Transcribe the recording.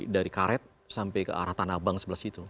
dari karet sampai ke arah tanah abang sebelah situ